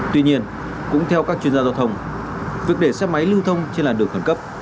tuy nhiên cũng theo các chuyên gia giao thông việc để xe máy lưu thông trên làn đường khẩn cấp